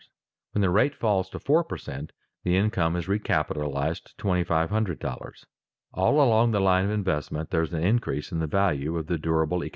When the rate falls to four per cent. the income is recapitalized at $2500. All along the line of investment there is an increase in the value of the durable economic agents.